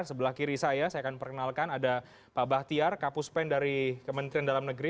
sebelah kiri saya saya akan perkenalkan ada pak bahtiar kapus pen dari kementerian dalam negeri